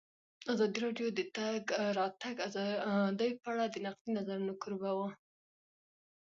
ازادي راډیو د د تګ راتګ ازادي په اړه د نقدي نظرونو کوربه وه.